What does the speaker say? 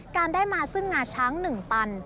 การได้มาซึ่งงาช้าง๑ตัน